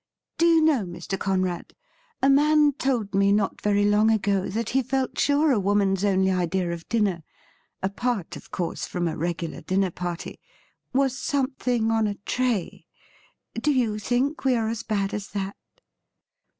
Do you know, Mr. Conrad, a man told Tpe not very long ago tha,t he felt suie a wonjan's only idea 204 THE RIDDLE RING of dinner — apart, of course, from a regular dinner party was something on a tray. Do you think we are as bad as that?'